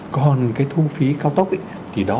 còn cái thu phí cao tốc thì đó là